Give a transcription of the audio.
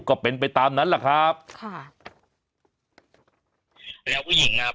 ก็เป็นไปตามนั้นแหละครับค่ะแล้วผู้หญิงอ่ะ